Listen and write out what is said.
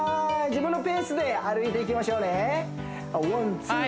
自分のペースで歩いていきましょうね１２１２